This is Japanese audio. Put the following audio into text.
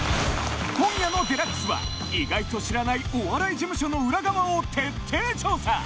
今夜の『ＤＸ』は意外と知らないお笑い事務所の裏側を徹底調査！